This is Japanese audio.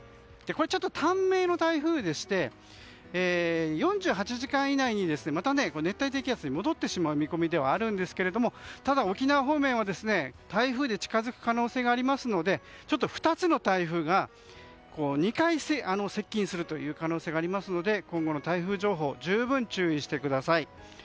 これはちょっと短命の台風でして４８時間以内にまた熱帯低気圧に戻ってしまう見込みではあるんですけどただ沖縄方面は台風で近づく可能性がありますので２つの台風が２回、接近するという可能性がありますので今後の台風情報十分注意してください。